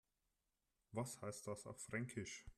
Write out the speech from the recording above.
Was heißt das auf Fränkisch?